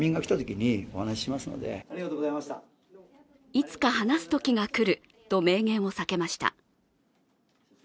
いつか話すときがくると明言を避けました。